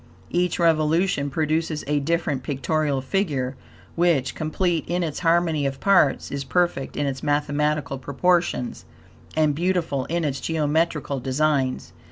Each revolution produces a different pictorial figure, which, complete in its harmony of parts, is perfect in its mathematical proportions, and beautiful in its geometrical designs.